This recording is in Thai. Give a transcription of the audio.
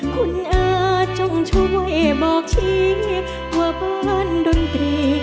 คุณอาจงช่วยบอกชี้ว่าบ้านดนตรี